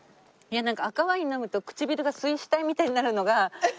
なんか赤ワイン飲むと唇が水死体みたいになるのがイヤで。